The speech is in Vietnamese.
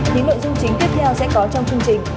những nội dung chính tiếp theo sẽ có trong chương trình